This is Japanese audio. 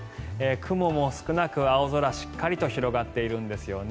雲も少なく、青空しっかりと広がっているんですよね。